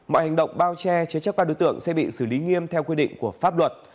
mọi hành động bao che chế chấp các đối tượng sẽ bị xử lý nghiêm theo quy định của pháp luật